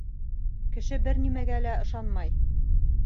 Кеше бер нимәгә лә ышанмай.